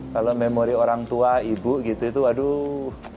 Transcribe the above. kalau memori orang tua ibu gitu itu aduh